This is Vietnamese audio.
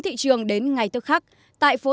thị trường đến ngay tức khắc tại phố